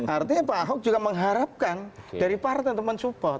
artinya pak ahok juga mengharapkan dari partai untuk mensupport